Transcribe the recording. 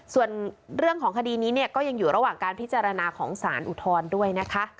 ส่วนเรื่องของคดีนี้เนี่ยก็ยังอยู่ระหว่างการพิจารณาของสารอุทธรณ์ด้วยนะคะ